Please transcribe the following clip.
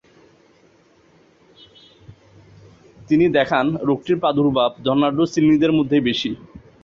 তিনি দেখান রোগটির প্রাদুর্ভাব ধনাঢ্য সিলনিদের মধ্যেই বেশি।